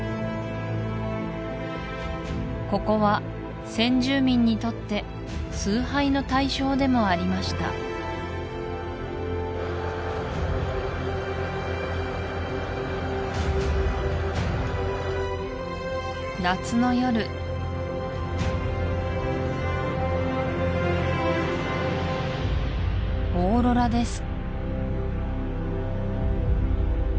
ここは先住民にとって崇拝の対象でもありました夏の夜オーロラです